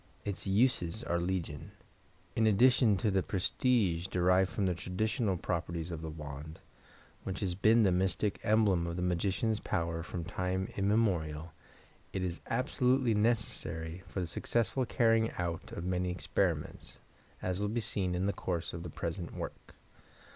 Its uses are legion. in addition to the prestige derived from the traditional properties of the wand, which has been the mystic emblem of the magician's power from time immemorial, it is absolutely necessary for the successful carrying out of many experiments, as will be seen in the course of the present work.